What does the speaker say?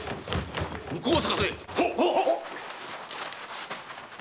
向こうを探せ！